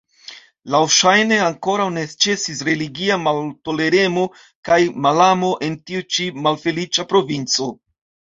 Laŭŝajne ankoraŭ ne ĉesis religia maltoleremo kaj malamo en tiu ĉi malfeliĉa provinco.